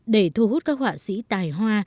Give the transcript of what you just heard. để thu hút các họa sĩ tài hoa